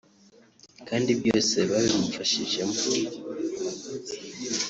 kandi byose babimufashijemo